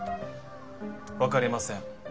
分かりません。